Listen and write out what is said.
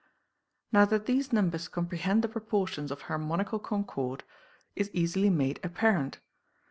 Now that these numbers comprehend the proportions of harmonical concord, is easily made apparent.